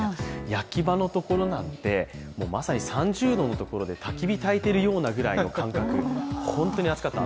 焼き場のところなんてまさに３０度のところでたき火たいてるようなぐらいの感覚、本当に暑かった。